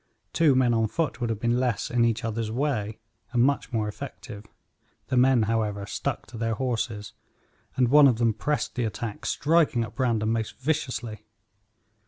Two men on foot would have been less in each other's way and much more effective. The men, however, stuck to their horses, and one of them pressed the attack, striking at Brandon most viciously.